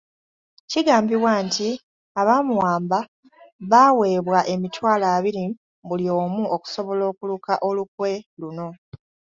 Kigambibwa nti abaamuwamba baaweebwa emitwalo abiri buli omu okusobola okuluka olukwe luno.